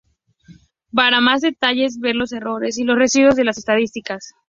Para más detalles, ver los errores y los residuos en las estadísticas.